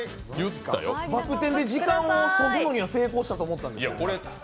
バク転で時間をそぐのには成功したと思うんですけど。